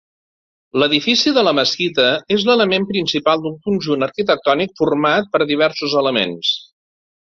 L'edifici de la mesquita és l'element principal d'un conjunt arquitectònic format per diversos elements.